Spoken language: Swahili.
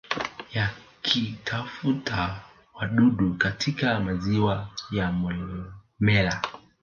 Yakitafuta wadudu katika maziwa ya Momella